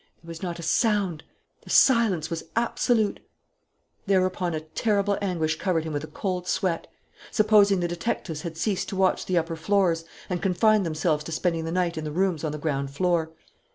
There was not a sound. The silence was absolute. Thereupon a terrible anguish covered him with a cold sweat. Supposing the detectives had ceased to watch the upper floors and confined themselves to spending the night in the rooms on the ground floor?